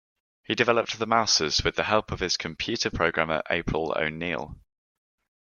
He developed the Mousers with the help of his computer programmer April O'Neil.